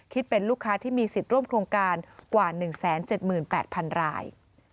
เป็นลูกค้าที่มีสิทธิ์ร่วมโครงการกว่า๑๗๘๐๐๐ราย